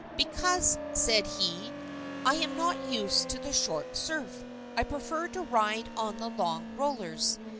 "Because," said he, "I am not used to the short surf; I prefer to ride on the long rollers."